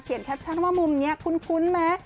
แคปชั่นว่ามุมนี้คุ้นไหม